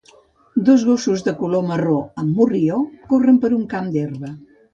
Dos gossos de color marró amb morrió corren per un camp d'herba.